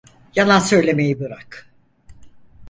Yalan söylemeyi bırak.